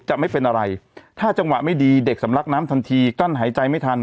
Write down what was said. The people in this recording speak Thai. จะไม่เป็นอะไรถ้าจังหวะไม่ดีเด็กสำลักน้ำทันทีกั้นหายใจไม่ทัน